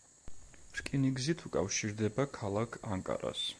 რკინიგზით უკავშირდება ქალაქ ანკარას.